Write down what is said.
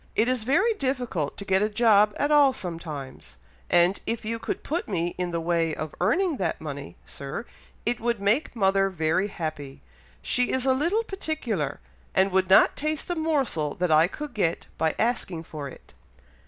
It is very difficult to get a job at all sometimes, and if you could put me in the way of earning that money, Sir, it would make mother very happy. She is a little particular, and would not taste a morsel that I could get by asking for it."